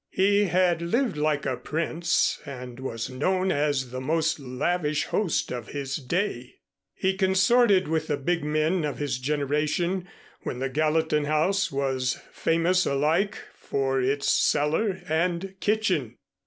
He had lived like a prince and was known as the most lavish host of his day. He consorted with the big men of his generation when the Gallatin house was famous alike for its cellar and kitchen.